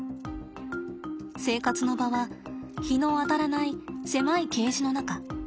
生活の場は日の当たらない狭いケージの中。